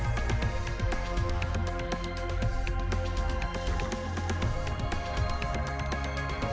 saya tidak perlu lagi